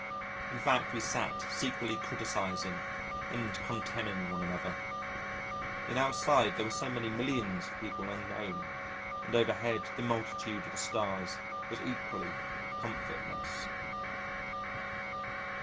In fact, we sat secretly criticising and contemning one another ... yet outside there were so many millions of people unknown, and overhead the multitude of the stars was equally comfortless.